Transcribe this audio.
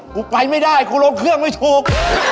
กูไปไม่ได้กูลงเครื่องไม่ถูก